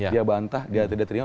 dia bantah dia tidak terima